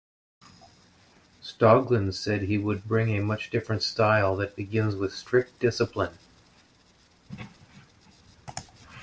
Stoglin said he would bring a much different style that begins with strict discipline.